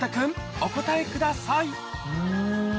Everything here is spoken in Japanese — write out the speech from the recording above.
お答えください